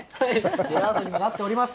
ジェラートにもなっております。